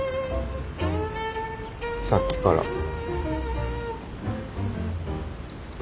さっきから。